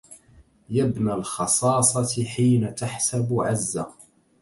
يا ابن الخصاصة حين تحسب عزة